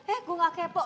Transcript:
eh gue gak kepo